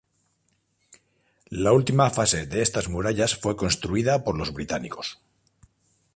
La última fase de estas murallas fue construida por los británicos.